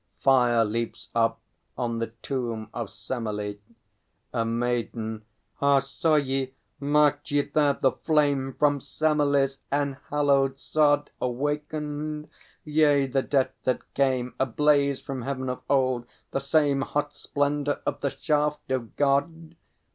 [Fire leaps up on the Tomb of Semelê. A MAIDEN. Ah, saw ye, marked ye there the flame From Semelê's enhallowed sod Awakened? Yea, the Death that came Ablaze from heaven of old, the same Hot splendour of the shaft of God?